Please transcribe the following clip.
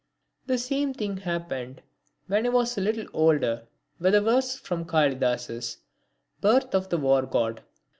The same thing happened, when I was a little older, with a verse from Kalidas's "Birth of the War God."